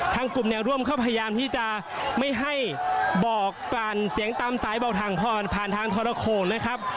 ทางกลุ่มแนวร่วมก็พยายามที่จะไม่ให้บอกการเสียงตามซ้ายเบาถังผ่านทางทรโรโคนนะครับ